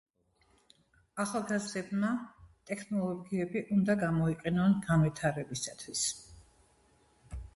ახალგაზრდებმა ტექნოლოგიები უნდა გამოიყენონ განვითარებისათვის